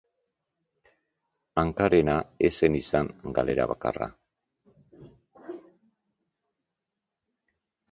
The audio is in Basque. Hankarena ez zen izan galera bakarra.